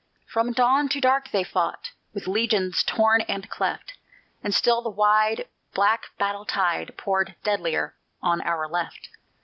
From dawn to dark they fought, With legions torn and cleft; And still the wide Black battle tide Poured deadlier on "Our Left."